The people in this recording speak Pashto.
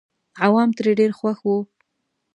عوام ترې ډېر خوښ وو.